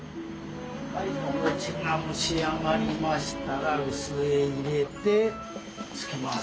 お餅が蒸し上がりましたら臼へ入れてつきます。